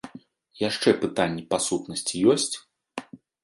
Яшчэ пытанні па сутнасці ёсць?